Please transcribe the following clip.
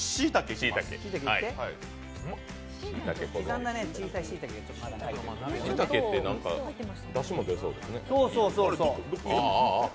しいたけってだしも出そうですね。